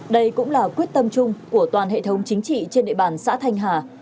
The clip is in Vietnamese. đây cũng là quyết tâm chung của toàn hệ thống chính trị trên địa bàn xã thanh hà